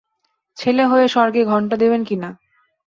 ছেলে হয়ে স্বর্গে ঘণ্টা দেবেন কি না?